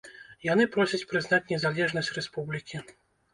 Яны просяць прызнаць незалежнасць рэспублікі.